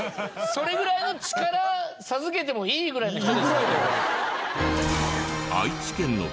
それぐらいの力授けてもいいぐらいの人ですけど。